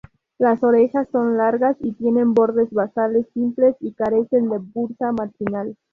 Las orejas son largas y tienen bordes basales simples y carecen de bursa marginal.